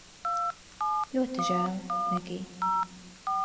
Ļoti žēl, Megij